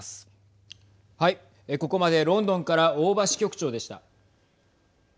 ここまでロンドンから大庭支局長でした。